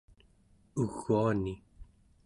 uguani